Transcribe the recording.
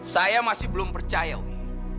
saya masih belum percaya ui